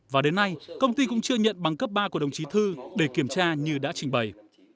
và đến nay công ty cũng chưa nhận bằng cấp ba của đồng chí thư để kiểm tra như đã trình bày